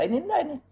ini indah ini